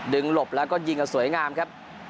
หลบแล้วก็ยิงกันสวยงามครับ